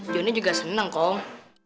jonny juga seneng kong